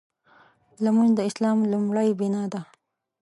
لمونځ د اسلام لومړۍ بناء ده.